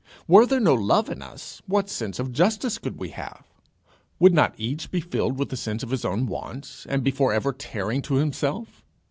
Were there no love in us, what sense of justice could we have? Would not each be filled with the sense of his own wants, and be for ever tearing to himself?